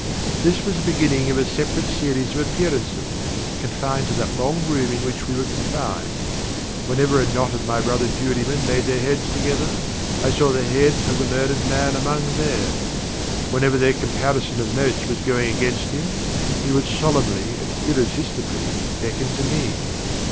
This was the beginning of a separate series of appearances, confined to that long room in which we were confined. Whenever a knot of my brother jurymen laid their heads together, I saw the head of the murdered man among theirs. Whenever their comparison of notes was going against him, he would solemnly and irresistibly beckon to me.